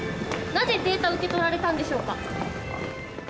なぜデータを受け取られたんでしょうか。